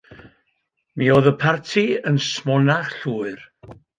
Mi oedd y parti yn smonach llwyr.